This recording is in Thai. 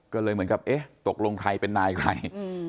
ก็เลยเหมือนกับเอ๊ะตกลงใครเป็นนายใคร